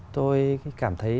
tôi cảm thấy